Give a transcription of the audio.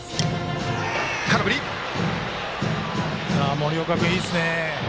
森岡君、いいですね。